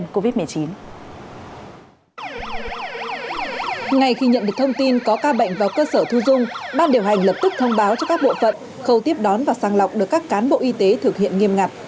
cơ sở thu dung ban điều hành lập tức thông báo cho các bộ phận khâu tiếp đón và sang lọc được các cán bộ y tế thực hiện nghiêm ngặt